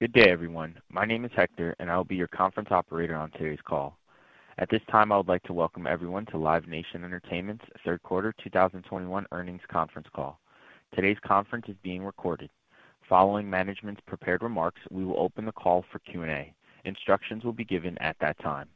Good day, everyone. My name is Hector, and I will be your conference operator on today's call. At this time, I would like to welcome everyone to Live Nation Entertainment's third quarter 2021 earnings conference call. Today's conference is being recorded. Following management's prepared remarks, we will open the call for Q&A. Instructions will be given at that time.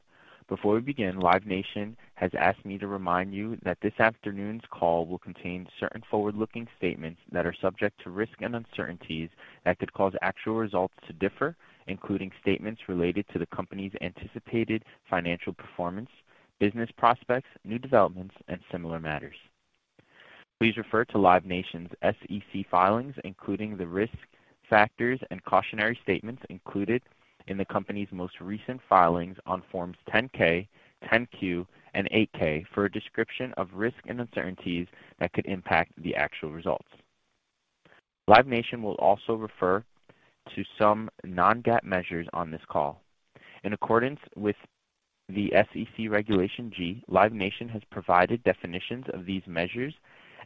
Before we begin, Live Nation has asked me to remind you that this afternoon's call will contain certain forward-looking statements that are subject to risks and uncertainties that could cause actual results to differ, including statements related to the company's anticipated financial performance, business prospects, new developments, and similar matters. Please refer to Live Nation's SEC filings, including the risk factors and cautionary statements included in the company's most recent filings on Forms 10-K, 10-Q, and 8-K, for a description of risks and uncertainties that could impact the actual results. Live Nation will also refer to some non-GAAP measures on this call. In accordance with the SEC Regulation G, Live Nation has provided definitions of these measures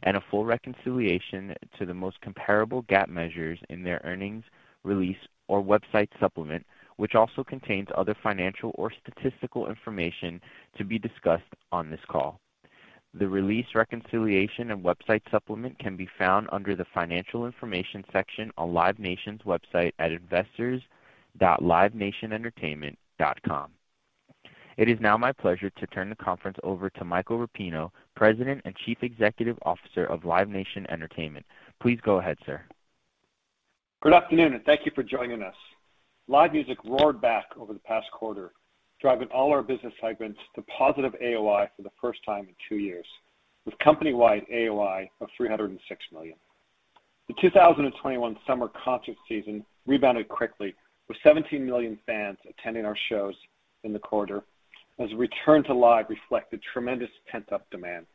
and a full reconciliation to the most comparable GAAP measures in their earnings release or website supplement, which also contains other financial or statistical information to be discussed on this call. The release reconciliation and website supplement can be found under the Financial Information section on Live Nation's website at investors.livenationentertainment.com. It is now my pleasure to turn the conference over to Michael Rapino, President and Chief Executive Officer of Live Nation Entertainment. Please go ahead, sir. Good afternoon, and thank you for joining us. Live music roared back over the past quarter, driving all our business segments to positive AOI for the first time in two years, with company-wide AOI of $306 million. The 2021 summer concert season rebounded quickly, with 17 million fans attending our shows in the quarter as a return to live reflected tremendous pent-up demand.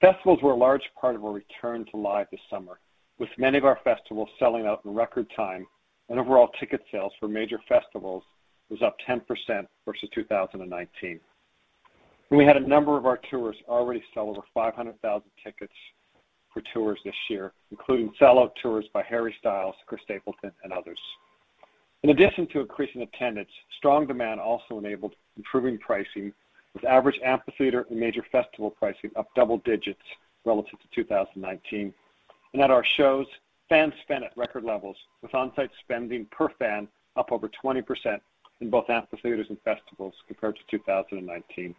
Festivals were a large part of our return to live this summer, with many of our festivals selling out in record time and overall ticket sales for major festivals was up 10% versus 2019. We had a number of our tours already sell over 500,000 tickets for tours this year, including sellout tours by Harry Styles, Chris Stapleton, and others. In addition to increasing attendance, strong demand also enabled improving pricing, with average amphitheater and major festival pricing up double digits relative to 2019. At our shows, fans spent at record levels, with on-site spending per fan up over 20% in both amphitheaters and festivals compared to 2019.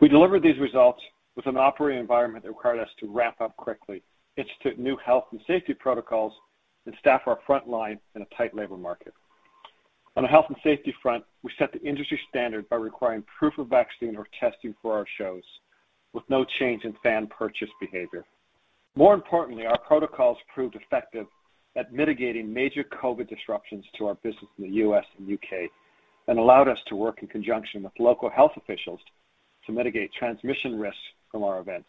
We delivered these results with an operating environment that required us to ramp up quickly, institute new health and safety protocols, and staff our front line in a tight labor market. On the health and safety front, we set the industry standard by requiring proof of vaccine or testing for our shows with no change in fan purchase behavior. More importantly, our protocols proved effective at mitigating major COVID disruptions to our business in the U.S. and U.K. and allowed us to work in conjunction with local health officials to mitigate transmission risks from our events.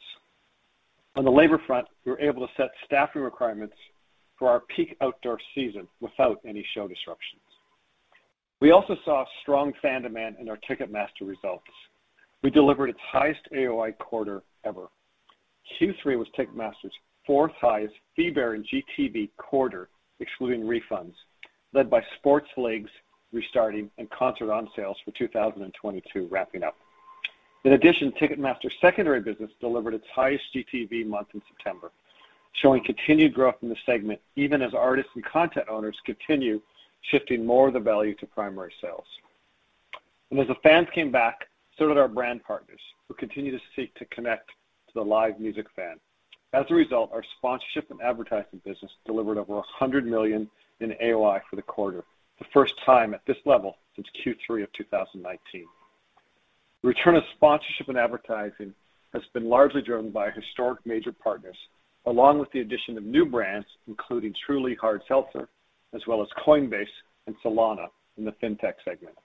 On the labor front, we were able to set staffing requirements for our peak outdoor season without any show disruptions. We also saw strong fan demand in our Ticketmaster results. We delivered its highest AOI quarter ever. Q3 was Ticketmaster's fourth highest fee-bearing GTV quarter, excluding refunds, led by sports leagues restarting and concert onsales for 2022 wrapping up. In addition, Ticketmaster's secondary business delivered its highest GTV month in September, showing continued growth in the segment even as artists and content owners continue shifting more of the value to primary sales. As the fans came back, so did our brand partners, who continue to seek to connect to the live music fan. As a result, our sponsorship and advertising business delivered over $100 million in AOI for the quarter, the first time at this level since Q3 of 2019. The return of sponsorship and advertising has been largely driven by historic major partners, along with the addition of new brands, including Truly Hard Seltzer, as well as Coinbase and Solana in the fintech segment.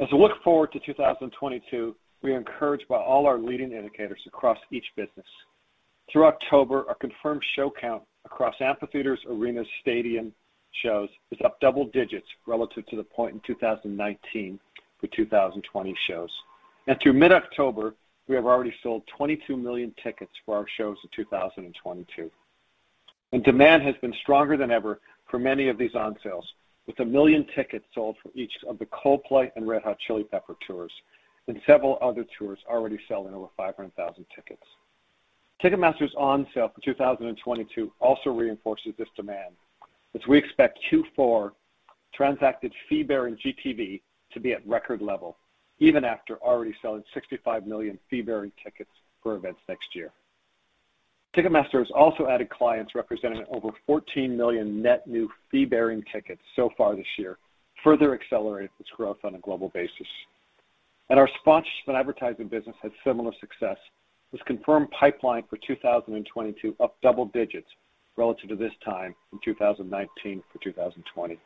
As we look forward to 2022, we are encouraged by all our leading indicators across each business. Through October, our confirmed show count across amphitheaters, arenas, stadium shows is up double digits relative to the point in 2019 for 2020 shows. Through mid-October, we have already sold 22 million tickets for our shows in 2022. Demand has been stronger than ever for many of these onsales, with 1 million tickets sold for each of the Coldplay and Red Hot Chili Peppers tours, and several other tours already selling over 500,000 tickets. Ticketmaster's onsale for 2022 also reinforces this demand, which we expect Q4 transacted fee-bearing GTV to be at record level even after already selling 65 million fee-bearing tickets for events next year. Ticketmaster has also added clients representing over 14 million net new fee-bearing tickets so far this year, further accelerating its growth on a global basis. Our sponsorship and advertising business had similar success, with confirmed pipeline for 2022 up double digits relative to this time in 2019 for 2020.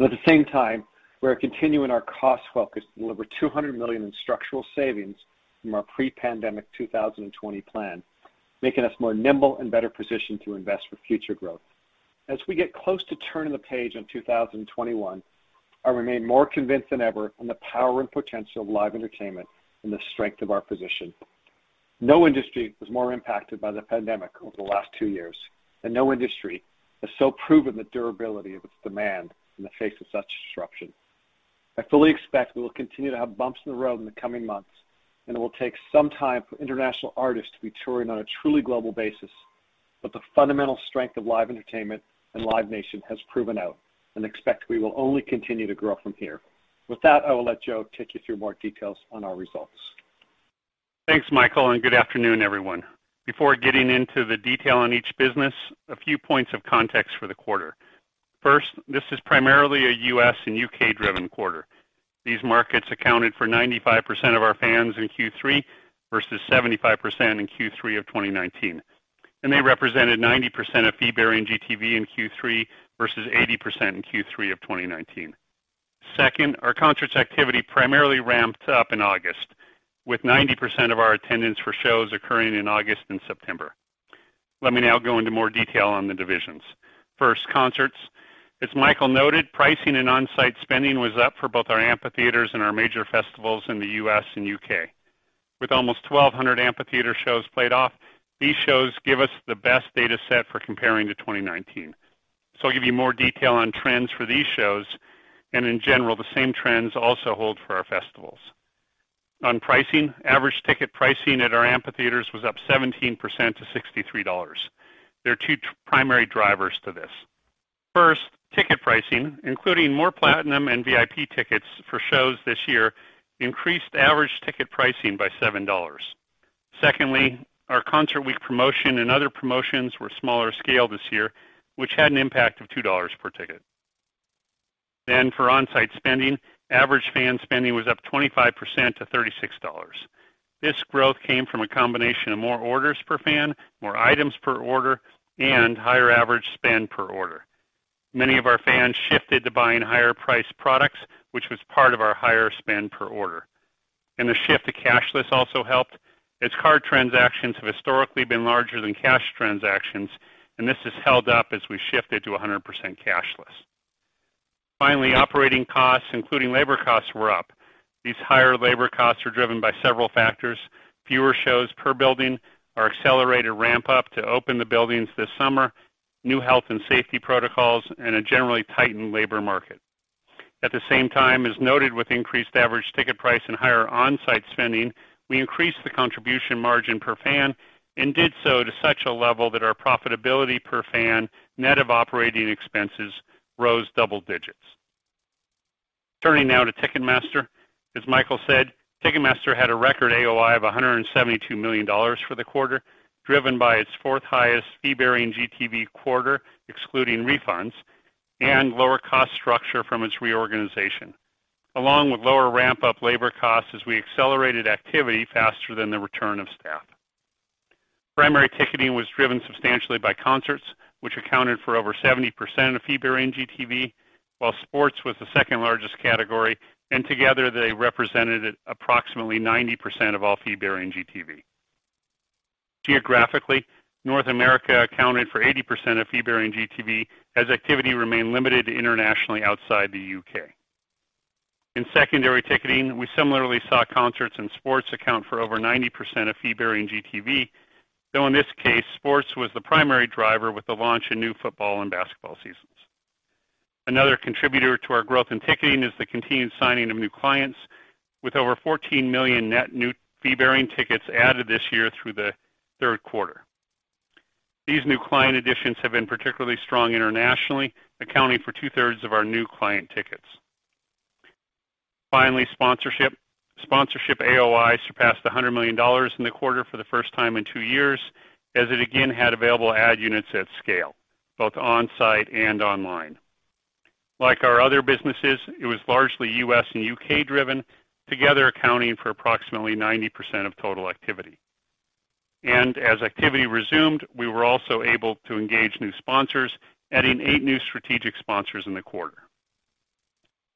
At the same time, we are continuing our cost focus to deliver $200 million in structural savings from our pre-pandemic 2020 plan, making us more nimble and better positioned to invest for future growth. As we get close to turning the page on 2021, I remain more convinced than ever on the power and potential of live entertainment and the strength of our position. No industry was more impacted by the pandemic over the last two years, and no industry has so proven the durability of its demand in the face of such disruption. I fully expect we will continue to have bumps in the road in the coming months, and it will take some time for international artists to be touring on a truly global basis. The fundamental strength of live entertainment and Live Nation has proven out and we expect we will only continue to grow from here. With that, I will let Joe take you through more details on our results. Thanks, Michael, and good afternoon, everyone. Before getting into the detail on each business, a few points of context for the quarter. First, this is primarily a U.S. and U.K.-driven quarter. These markets accounted for 95% of our fans in Q3 versus 75% in Q3 of 2019, and they represented 90% of fee-bearing GTV in Q3 versus 80% in Q3 of 2019. Second, our concerts activity primarily ramped up in August, with 90% of our attendance for shows occurring in August and September. Let me now go into more detail on the divisions. First, concerts. As Michael noted, pricing and on-site spending was up for both our amphitheaters and our major festivals in the U.S. and U.K. With almost 1,200 amphitheater shows played off, these shows give us the best data set for comparing to 2019. I'll give you more detail on trends for these shows and in general, the same trends also hold for our festivals. On pricing, average ticket pricing at our amphitheaters was up 17% to $63. There are two primary drivers to this. First, ticket pricing, including more Platinum and VIP tickets for shows this year, increased average ticket pricing by $7. Secondly, our Concert Week promotion and other promotions were smaller scale this year, which had an impact of $2 per ticket. For on-site spending, average fan spending was up 25% to $36. This growth came from a combination of more orders per fan, more items per order, and higher average spend per order. Many of our fans shifted to buying higher priced products, which was part of our higher spend per order. The shift to cashless also helped as card transactions have historically been larger than cash transactions, and this has held up as we shifted to 100% cashless. Finally, operating costs, including labor costs, were up. These higher labor costs were driven by several factors, fewer shows per building, our accelerated ramp-up to open the buildings this summer, new health and safety protocols, and a generally tightened labor market. At the same time, as noted with increased average ticket price and higher on-site spending, we increased the contribution margin per fan and did so to such a level that our profitability per fan, net of operating expenses, rose double digits. Turning now to Ticketmaster. As Michael said, Ticketmaster had a record AOI of $172 million for the quarter, driven by its fourth highest fee-bearing GTV quarter, excluding refunds, and lower cost structure from its reorganization, along with lower ramp-up labor costs as we accelerated activity faster than the return of staff. Primary ticketing was driven substantially by concerts, which accounted for over 70% of fee-bearing GTV, while sports was the second-largest category, and together they represented approximately 90% of all fee-bearing GTV. Geographically, North America accounted for 80% of fee-bearing GTV as activity remained limited internationally outside the U.K. In secondary ticketing, we similarly saw concerts and sports account for over 90% of fee-bearing GTV, though in this case, sports was the primary driver with the launch of new football and basketball seasons. Another contributor to our growth in ticketing is the continued signing of new clients with over 14 million net new fee-bearing tickets added this year through the third quarter. These new client additions have been particularly strong internationally, accounting for 2/3 of our new client tickets. Finally, sponsorship. Sponsorship AOI surpassed $100 million in the quarter for the first time in two years as it again had available ad units at scale, both on-site and online. Like our other businesses, it was largely U.S. and U.K. driven, together accounting for approximately 90% of total activity. As activity resumed, we were also able to engage new sponsors, adding eight new strategic sponsors in the quarter.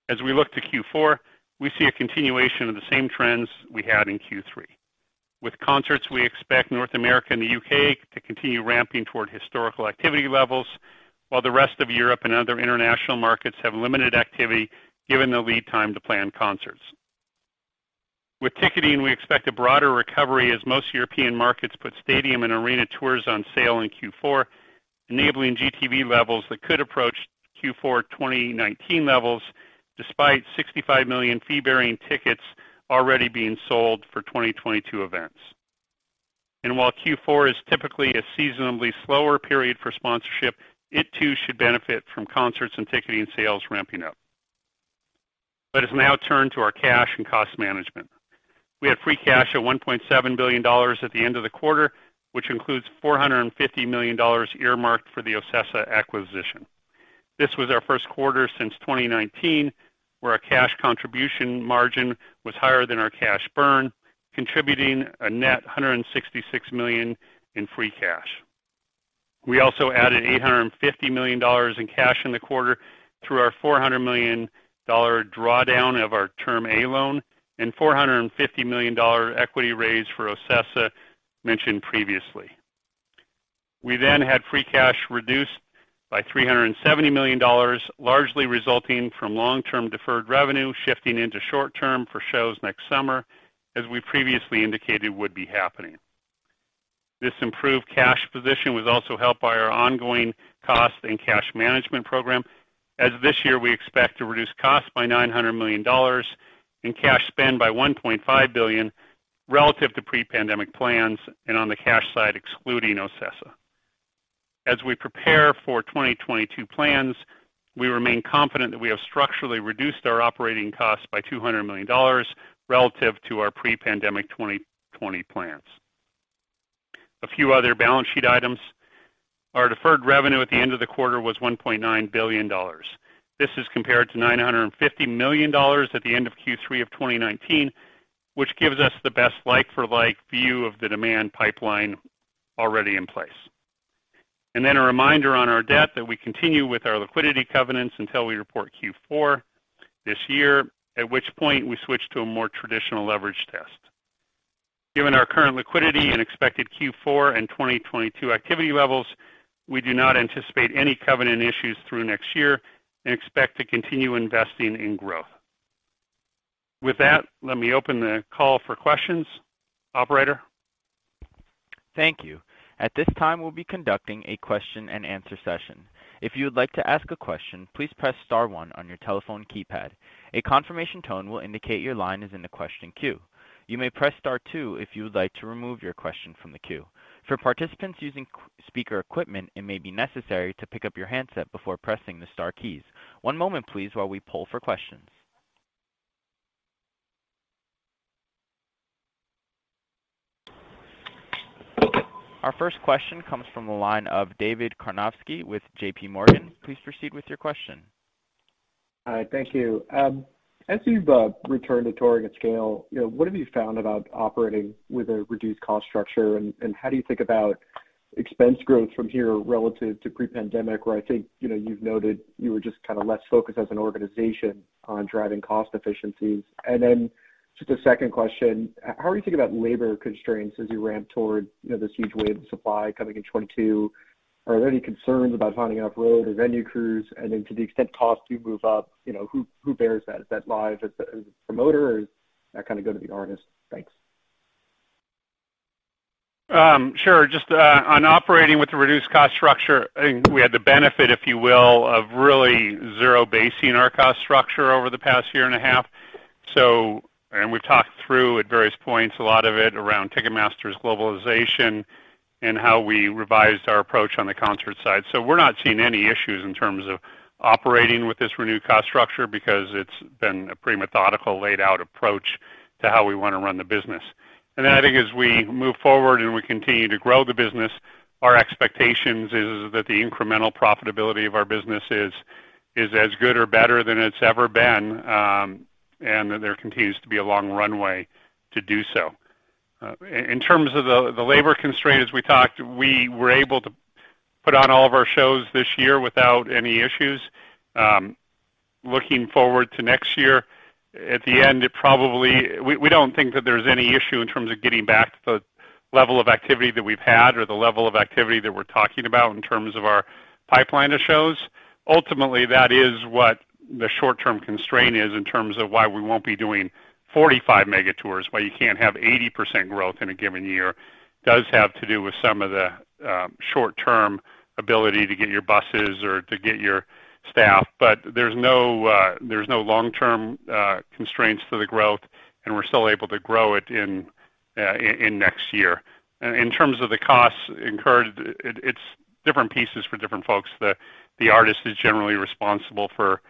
As we look to Q4, we see a continuation of the same trends we had in Q3. With concerts, we expect North America and the U.K. to continue ramping toward historical activity levels, while the rest of Europe and other international markets have limited activity given the lead time to plan concerts. With ticketing, we expect a broader recovery as most European markets put stadium and arena tours on sale in Q4, enabling GTV levels that could approach Q4 2019 levels despite 65 million fee-bearing tickets already being sold for 2022 events. While Q4 is typically a seasonally slower period for sponsorship, it too should benefit from concerts and ticketing sales ramping up. Let us now turn to our cash and cost management. We had free cash of $1.7 billion at the end of the quarter, which includes $450 million earmarked for the OCESA acquisition. This was our first quarter since 2019, where our cash contribution margin was higher than our cash burn, contributing a net $166 million in free cash. We also added $850 million in cash in the quarter through our $400 million drawdown of our Term A loan and $450 million equity raise for OCESA mentioned previously. We then had free cash reduced by $370 million, largely resulting from long-term deferred revenue shifting into short-term for shows next summer, as we previously indicated would be happening. This improved cash position was also helped by our ongoing cost and cash management program. And this year, we expect to reduce costs by $900 million and cash spend by $1.5 billion relative to pre-pandemic plans and on the cash side, excluding OCESA. As we prepare for 2022 plans, we remain confident that we have structurally reduced our operating costs by $200 million relative to our pre-pandemic 2020 plans. A few other balance sheet items. Our deferred revenue at the end of the quarter was $1.9 billion. This is compared to $950 million at the end of Q3 of 2019, which gives us the best like-for-like view of the demand pipeline already in place. A reminder on our debt that we continue with our liquidity covenants until we report Q4 this year, at which point we switch to a more traditional leverage test. Given our current liquidity and expected Q4 and 2022 activity levels, we do not anticipate any covenant issues through next year and expect to continue investing in growth. With that, let me open the call for questions. Operator. Thank you. At this time, we'll be conducting a question-and-answer session. If you would like to ask a question, please press star one on your telephone keypad. A confirmation tone will indicate your line is in the question queue. You may press star two if you would like to remove your question from the queue. For participants using speaker equipment, it may be necessary to pick up your handset before pressing the star keys. One moment, please, while we poll for questions. Our first question comes from the line of David Karnovsky with JPMorgan. Please proceed with your question. Hi. Thank you. As you've returned to touring at scale, you know, what have you found about operating with a reduced cost structure, and how do you think about expense growth from here relative to pre-pandemic, where I think, you know, you've noted you were just kinda less focused as an organization on driving cost efficiencies. Then just a second question. How are you thinking about labor constraints as you ramp towards, you know, this huge wave of supply coming in 2022? Are there any concerns about finding enough road or venue crews? And then to the extent costs do move up, you know, who bears that? Is that Live Nation as a promoter, or does that kind of go to the artist? Thanks. Sure. Just, on operating with the reduced cost structure, I think we had the benefit, if you will, of really zero basing our cost structure over the past year and a half. We've talked through at various points, a lot of it around Ticketmaster's globalization and how we revised our approach on the concert side. We're not seeing any issues in terms of operating with this renewed cost structure because it's been a pretty methodical, laid-out approach to how we wanna run the business. I think as we move forward and we continue to grow the business, our expectations is that the incremental profitability of our business is as good or better than it's ever been, and that there continues to be a long runway to do so. In terms of the labor constraint, as we talked, we were able to put on all of our shows this year without any issues. Looking forward to next year, at least, we don't think that there's any issue in terms of getting back the level of activity that we've had or the level of activity that we're talking about in terms of our pipeline of shows. Ultimately, that is what the short-term constraint is in terms of why we won't be doing 45 mega tours, why you can't have 80% growth in a given year, does have to do with some of the short-term ability to get your buses or to get your staff. There's no long-term constraints to the growth, and we're still able to grow it in next year. In terms of the costs incurred, it's different pieces for different folks. The artist is generally responsible for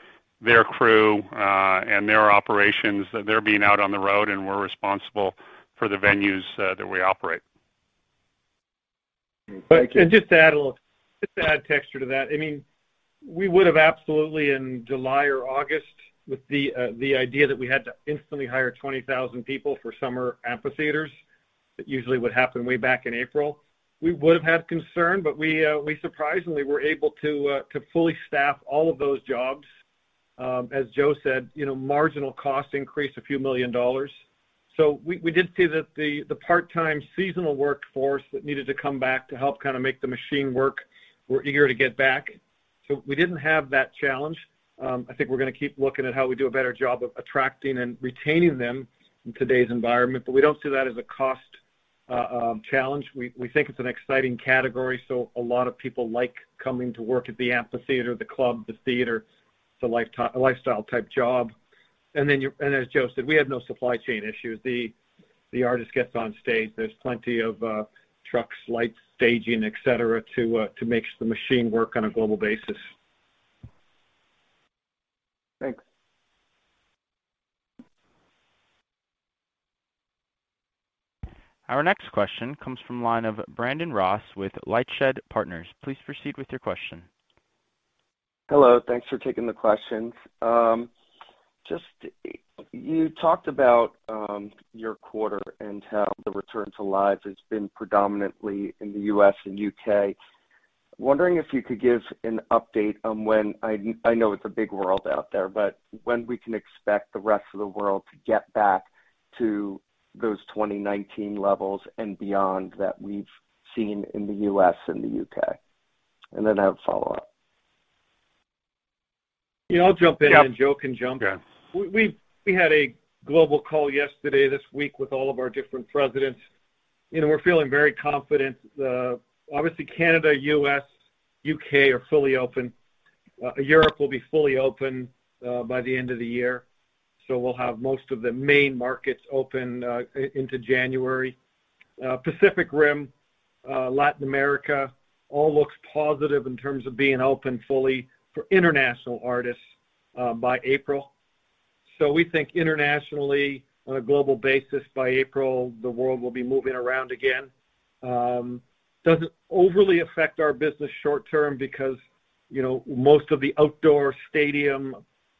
their crew and their operations. They're out on the road, and we're responsible for the venues that we operate. Thank you. Just to add texture to that. I mean, we would have absolutely in July or August, with the idea that we had to instantly hire 20,000 people for summer amphitheaters, that usually would happen way back in April. We would have had concern, but we surprisingly were able to to fully staff all of those jobs. As Joe said, you know, marginal cost increased a few million dollars. We did see that the part-time seasonal workforce that needed to come back to help kinda make the machine work were eager to get back. We didn't have that challenge. I think we're gonna keep looking at how we do a better job of attracting and retaining them in today's environment. We don't see that as a cost challenge. We think it's an exciting category, so a lot of people like coming to work at the amphitheater, the club, the theater. It's a lifestyle type job. As Joe said, we have no supply chain issues. The artist gets on stage, there's plenty of trucks, lights, staging, et cetera, to make the machine work on a global basis. Thanks. Our next question comes from the line of Brandon Ross with LightShed Partners. Please proceed with your question. Hello. Thanks for taking the questions. Just, you talked about your quarter and how the return to live has been predominantly in the U.S. and U.K. Wondering if you could give an update on when, I know it's a big world out there, but when we can expect the rest of the world to get back to those 2019 levels and beyond that we've seen in the U.S. and U.K.? And then I have a follow-up. Yeah, I'll jump in, and Joe can jump in. Yeah. We had a global call yesterday this week with all of our different presidents. You know, we're feeling very confident. Obviously, Canada, U.S., U.K. are fully open. Europe will be fully open by the end of the year. We'll have most of the main markets open into January. Pacific Rim, Latin America, all looks positive in terms of being open fully for international artists by April. We think internationally, on a global basis, by April, the world will be moving around again. Doesn't overly affect our business short term because, you know, most of the outdoor stadium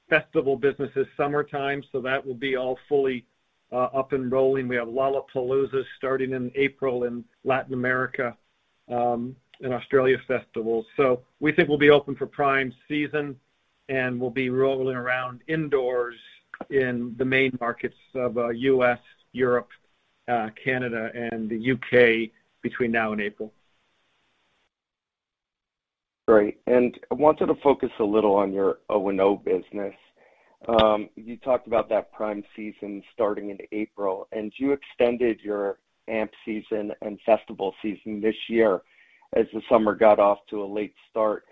festival business is summertime, so that will be all fully up and rolling. We have Lollapalooza starting in April in Latin America and Australia Festivals. We think we'll be open for prime season, and we'll be rolling around indoors in the main markets of U.S., Europe, Canada and the U.K. between now and April. Great. I wanted to focus a little on your O&O business. You talked about that prime season starting in April, and you extended your amp season and festival season this year as the summer got off to a late start.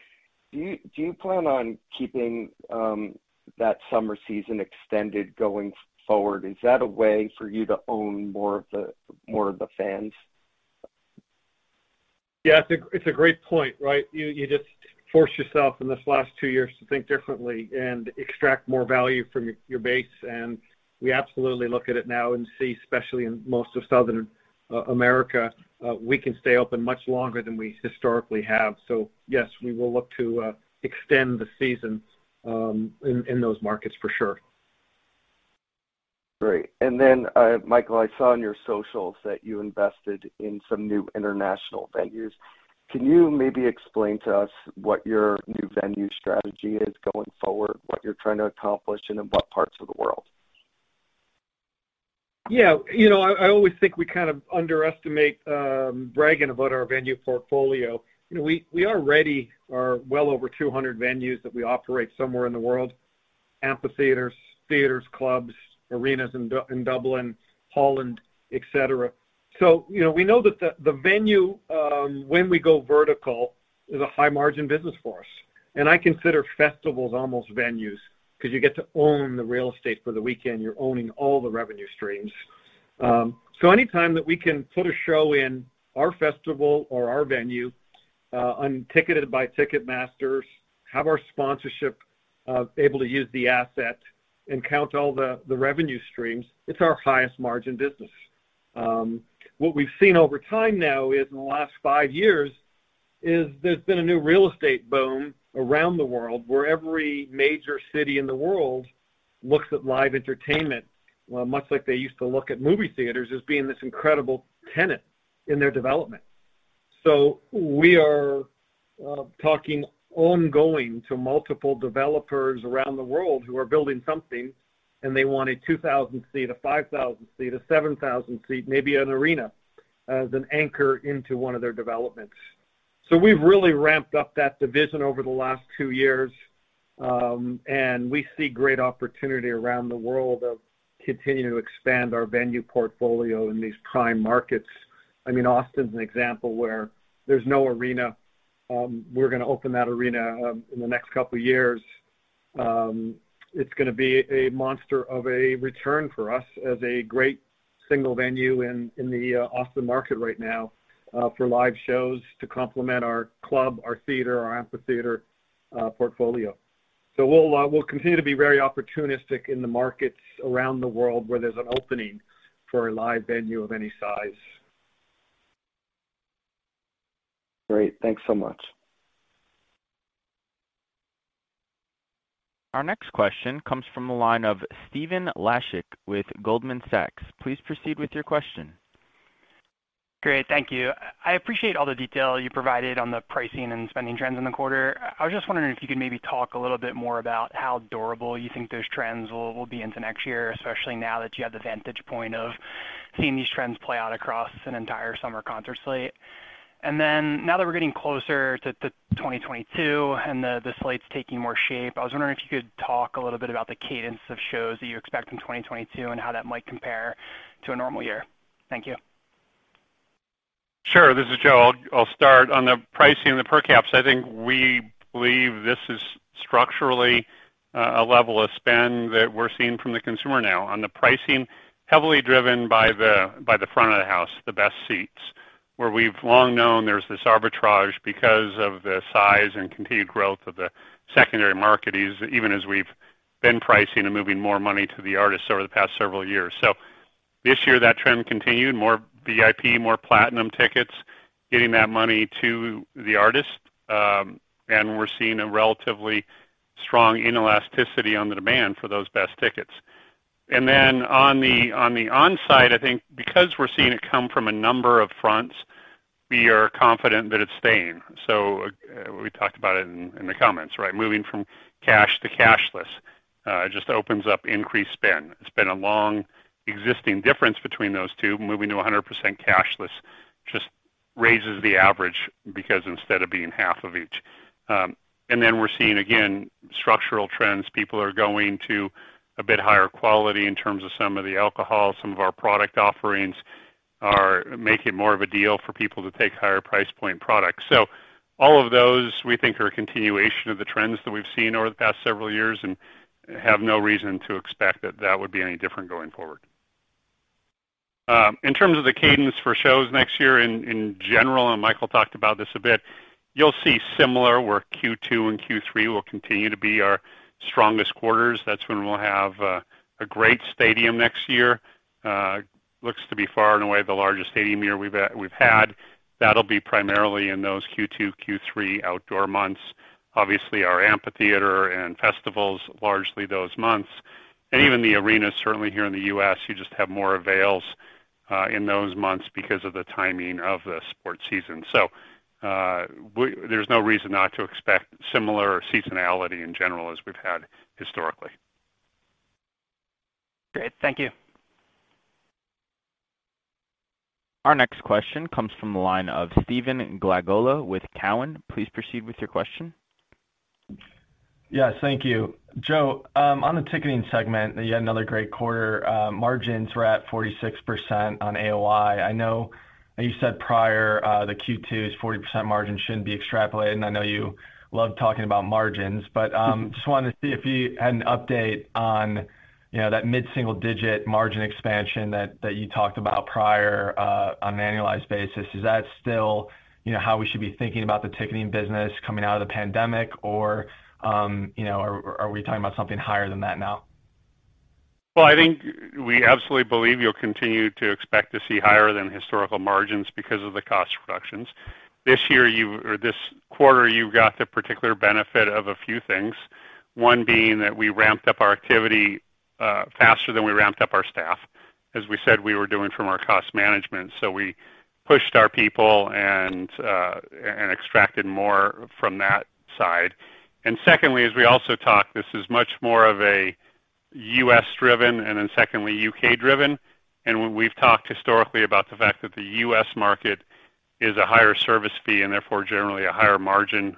Do you plan on keeping that summer season extended going forward? Is that a way for you to own more of the fans? Yeah, it's a great point, right? You just force yourself in this last two years to think differently and extract more value from your base. We absolutely look at it now and see, especially in most of South America, we can stay open much longer than we historically have. Yes, we will look to extend the season in those markets for sure. Great. Michael, I saw on your socials that you invested in some new international venues. Can you maybe explain to us what your new venue strategy is going forward, what you're trying to accomplish, and in what parts of the world? Yeah. You know, I always think we kind of underestimate bragging about our venue portfolio. You know, we already are well over 200 venues that we operate somewhere in the world, amphitheaters, theaters, clubs, arenas in Dublin, Holland, etc. You know, we know that the venue when we go vertical is a high margin business for us. I consider festivals almost venues because you get to own the real estate for the weekend. You're owning all the revenue streams. Anytime that we can put a show in our festival or our venue and ticketed by Ticketmaster, have our sponsorship, able to use the asset and count all the revenue streams, it's our highest margin business. What we've seen over time now is, in the last five years, there's been a new real estate boom around the world, where every major city in the world looks at live entertainment much like they used to look at movie theaters as being this incredible tenant in their development. We are talking ongoing to multiple developers around the world who are building something, and they want a 2,000-seat, a 5,000-seat, a 7,000-seat, maybe an arena as an anchor into one of their developments. We've really ramped up that division over the last two years, and we see great opportunity around the world of continuing to expand our venue portfolio in these prime markets. I mean, Austin's an example where there's no arena. We're gonna open that arena in the next couple of years. It's gonna be a monster of a return for us as a great single venue in the Austin market right now for live shows to complement our club, our theater, our amphitheater portfolio. We'll continue to be very opportunistic in the markets around the world where there's an opening for a live venue of any size. Great. Thanks so much. Our next question comes from the line of Stephen Laszczyk with Goldman Sachs. Please proceed with your question. Great. Thank you. I appreciate all the detail you provided on the pricing and spending trends in the quarter. I was just wondering if you could maybe talk a little bit more about how durable you think those trends will be into next year, especially now that you have the vantage point of seeing these trends play out across an entire summer concert slate. Now that we're getting closer to 2022 and the slate's taking more shape, I was wondering if you could talk a little bit about the cadence of shows that you expect in 2022 and how that might compare to a normal year. Thank you. Sure. This is Joe. I'll start. On the pricing, the per caps, I think we believe this is structurally a level of spend that we're seeing from the consumer now. On the pricing, heavily driven by the front of the house, the best seats, where we've long known there's this arbitrage because of the size and continued growth of the secondary market, even as we've been pricing and moving more money to the artists over the past several years. This year, that trend continued, more VIP, more Platinum tickets, getting that money to the artist. We're seeing a relatively strong inelasticity on the demand for those best tickets. On the on-site, I think because we're seeing it come from a number of fronts, we are confident that it's staying. We talked about it in the comments, right? Moving from cash to cashless just opens up increased spend. It's been a long existing difference between those two. Moving to 100% cashless just raises the average because instead of being half of each. We're seeing, again, structural trends. People are going to a bit higher quality in terms of some of the alcohol. Some of our product offerings are making more of a deal for people to take higher price point products. All of those, we think, are a continuation of the trends that we've seen over the past several years and have no reason to expect that would be any different going forward. In terms of the cadence for shows next year in general, and Michael talked about this a bit, you'll see similar, where Q2 and Q3 will continue to be our strongest quarters. That's when we'll have a great stadium next year. Looks to be far and away the largest stadium year we've had. That'll be primarily in those Q2, Q3 outdoor months. Obviously, our amphitheater and festivals largely those months. Even the arena, certainly here in the U.S., you just have more avails in those months because of the timing of the sports season. There's no reason not to expect similar seasonality in general as we've had historically. Great. Thank you. Our next question comes from the line of Stephen Glagola with Cowen. Please proceed with your question. Yes, thank you. Joe, on the ticketing segment, you had another great quarter. Margins were at 46% on AOI. I know you said prior, the Q2's 40% margin shouldn't be extrapolated, and I know you love talking about margins. Just wanted to see if you had an update on, you know, that mid-single digit margin expansion that you talked about prior, on an annualized basis. Is that still, you know, how we should be thinking about the ticketing business coming out of the pandemic? Or, you know, are we talking about something higher than that now? Well, I think we absolutely believe you'll continue to expect to see higher than historical margins because of the cost reductions. This year or this quarter, you got the particular benefit of a few things, one being that we ramped up our activity faster than we ramped up our staff, as we said we were doing from our cost management. We pushed our people and extracted more from that side. Secondly, as we also talked, this is much more of a U.S.-driven, and then secondly, U.K.-driven. We've talked historically about the fact that the U.S. market is a higher service fee and therefore generally a higher margin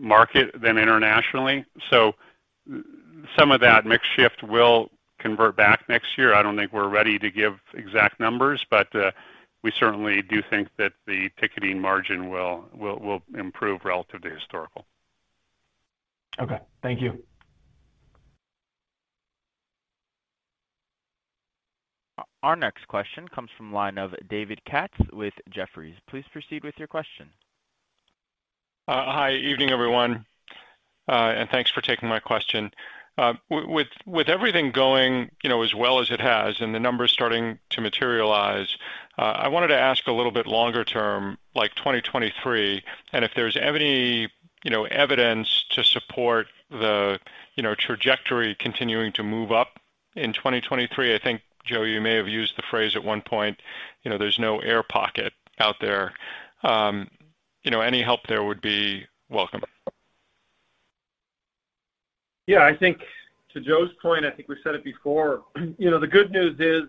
market than internationally. Some of that mix shift will convert back next year. I don't think we're ready to give exact numbers, but we certainly do think that the ticketing margin will improve relative to historical. Okay. Thank you. Our next question comes from the line of David Katz with Jefferies. Please proceed with your question. Hi. Evening, everyone, and thanks for taking my question. With everything going, you know, as well as it has and the numbers starting to materialize, I wanted to ask a little bit longer term, like 2023, and if there's any, you know, evidence to support the, you know, trajectory continuing to move up in 2023. I think, Joe, you may have used the phrase at one point, you know, there's no air pocket out there. You know, any help there would be welcome. Yeah. I think to Joe's point, I think we said it before. You know, the good news is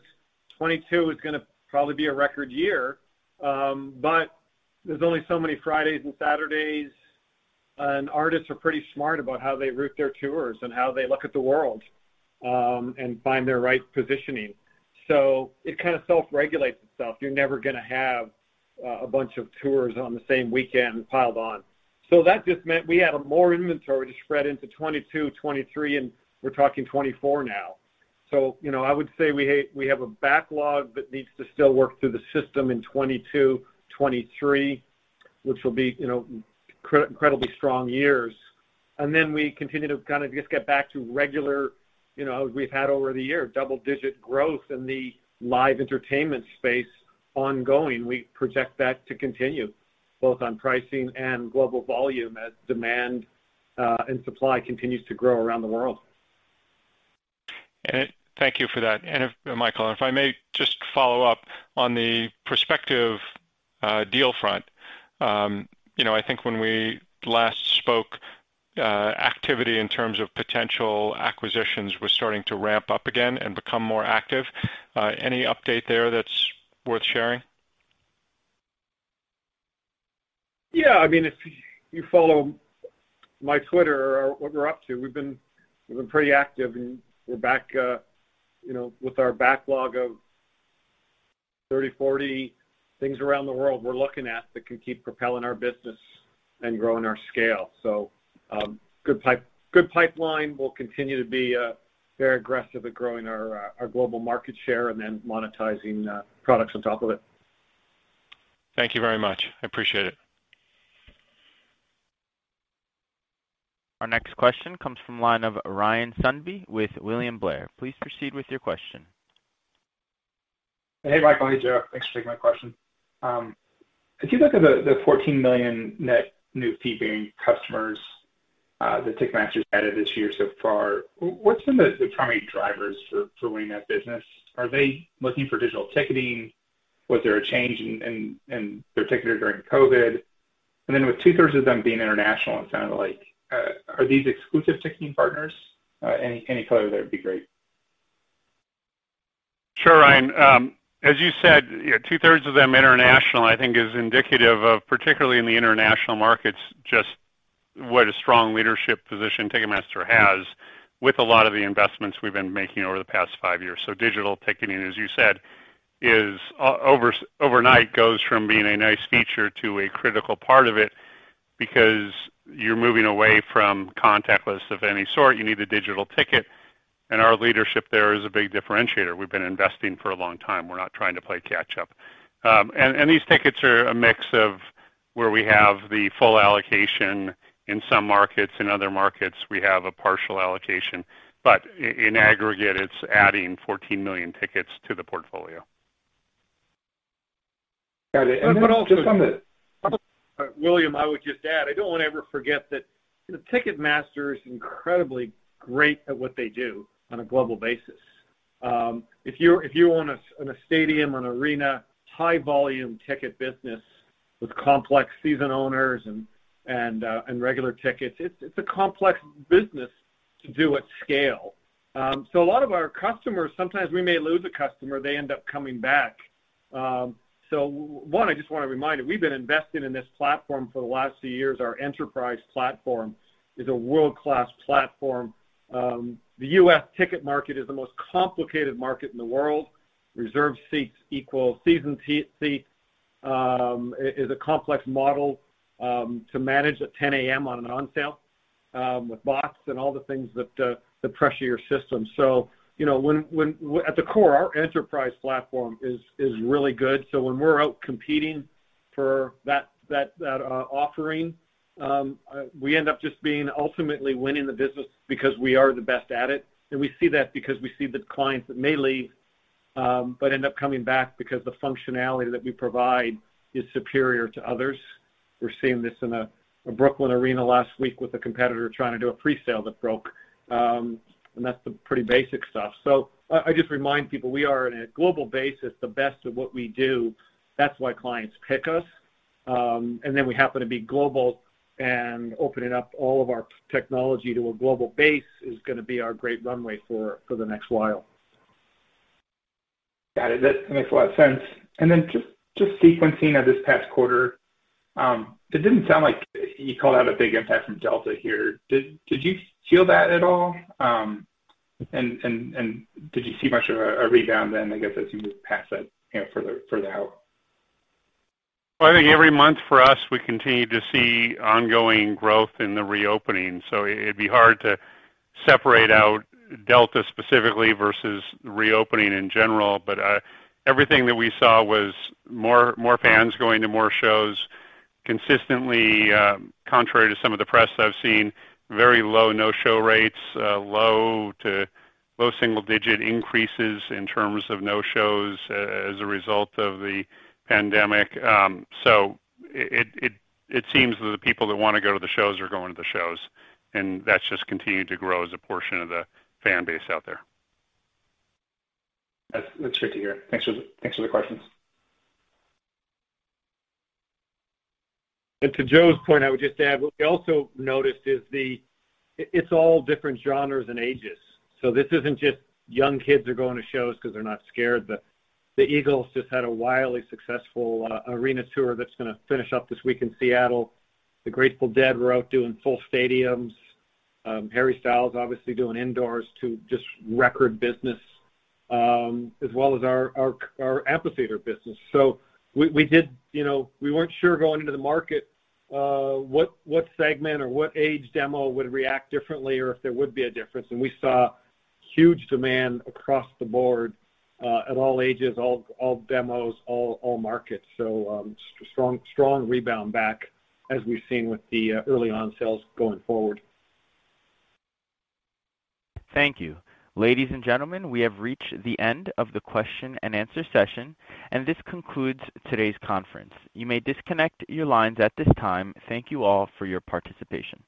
2022 is gonna probably be a record year. There's only so many Fridays and Saturdays, and artists are pretty smart about how they route their tours and how they look at the world, and find their right positioning. It kinda self-regulates itself. You're never gonna have a bunch of tours on the same weekend piled on. That just meant we have more inventory to spread into 2022, 2023, and we're talking 2024 now. You know, I would say we have a backlog that needs to still work through the system in 2022, 2023, which will be, you know, incredibly strong years. We continue to kind of just get back to regular, you know, we've had over the years, double-digit growth in the live entertainment space ongoing. We project that to continue both on pricing and global volume as demand and supply continues to grow around the world. Thank you for that. If, Michael, if I may just follow up on the prospective deal front. You know, I think when we last spoke, activity in terms of potential acquisitions was starting to ramp up again and become more active. Any update there that's worth sharing? Yeah. I mean, if you follow my Twitter or what we're up to, we've been pretty active, and we're back, you know, with our backlog of 30, 40 things around the world we're looking at that can keep propelling our business and growing our scale. Good pipeline. We'll continue to be very aggressive at growing our global market share and then monetizing products on top of it. Thank you very much. I appreciate it. Our next question comes from the line of Ryan Sundby with William Blair. Please proceed with your question. Hey, Michael. Hey, Joe. Thanks for taking my question. If you look at the 14 million net new keeping customers that Ticketmaster's added this year so far, what's been the primary drivers for winning that business? Are they looking for digital ticketing? Was there a change in their ticketing during COVID? With 2/3 of them being international, it sounded like are these exclusive ticketing partners? Any color there would be great. Sure, Ryan. As you said, you know, 2/3 of them international, I think is indicative of, particularly in the international markets, just what a strong leadership position Ticketmaster has with a lot of the investments we've been making over the past five years. Digital ticketing, as you said, is overnight goes from being a nice feature to a critical part of it because you're moving away from contactless of any sort. You need a digital ticket, and our leadership there is a big differentiator. We've been investing for a long time. We're not trying to play catch up. And these tickets are a mix of where we have the full allocation in some markets. In other markets, we have a partial allocation. In aggregate, it's adding 14 million tickets to the portfolio. Got it. William, I would just add, I don't want to ever forget that Ticketmaster is incredibly great at what they do on a global basis. If you own a stadium, an arena, high volume ticket business with complex season owners and regular tickets, it's a complex business to do at scale. So a lot of our customers, sometimes we may lose a customer, they end up coming back. So one, I just want to remind you, we've been investing in this platform for the last few years. Our enterprise platform is a world-class platform. The U.S. ticket market is the most complicated market in the world. Reserved seats equal season seat is a complex model to manage at 10 A.M. on an on-sale with bots and all the things that pressure your system. You know, when at the core, our enterprise platform is really good. When we're out competing for that offering, we end up just being ultimately winning the business because we are the best at it. We see that because we see the clients that may leave, but end up coming back because the functionality that we provide is superior to others. We're seeing this in the Barclays Center last week with a competitor trying to do a presale that broke, and that's the pretty basic stuff. I just remind people we are on a global basis the best at what we do. That's why clients pick us. We happen to be global and opening up all of our technology to a global base is gonna be our great runway for the next while. Got it. That makes a lot of sense. Just sequencing of this past quarter, it didn't sound like you called out a big impact from Delta here. Did you feel that at all? Did you see much of a rebound then, I guess, as you move past that, you know, further out? Well, I think every month for us, we continue to see ongoing growth in the reopening. It'd be hard to separate out Delta specifically versus reopening in general. Everything that we saw was more fans going to more shows consistently, contrary to some of the press I've seen, very low no-show rates, low to low single digit increases in terms of no-shows as a result of the pandemic. It seems that the people that wanna go to the shows are going to the shows, and that's just continued to grow as a portion of the fan base out there. That's great to hear. Thanks for the questions. To Joe's point, I would just add, what we also noticed is the. It's all different genres and ages. This isn't just young kids are going to shows because they're not scared. The Eagles just had a wildly successful arena tour that's gonna finish up this week in Seattle. The Grateful Dead were out doing full stadiums. Harry Styles obviously doing indoors too just record business, as well as our amphitheater business. You know, we weren't sure going into the market, what segment or what age demo would react differently or if there would be a difference. We saw huge demand across the board, at all ages, all demos, all markets. So strong rebound back as we've seen with the early on sales going forward. Thank you. Ladies and gentlemen, we have reached the end of the question-and-answer session, and this concludes today's conference. You may disconnect your lines at this time. Thank you all for your participation.